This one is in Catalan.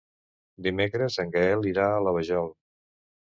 Dimecres en Gaël irà a la Vajol.